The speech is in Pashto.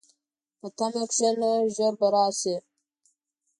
په تمه کښېنه، ژر به راشي.